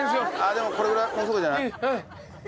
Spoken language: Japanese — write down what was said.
でもこれぐらいもうすぐじゃない？